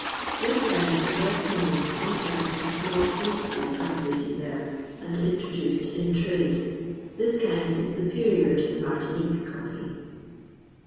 This kind is less known on account of the small quantity cultivated there, and introduced in trade. This kind is superior to the Martinique coffee.